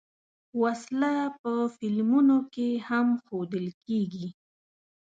وسله په فلمونو کې هم ښودل کېږي